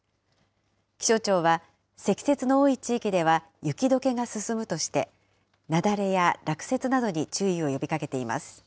気象庁は積雪の多い地域では、雪どけが進むとして、雪崩や落雪などに注意を呼びかけています。